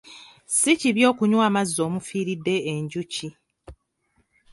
Si kibi okunywa amazzi omufiiridde enjuki.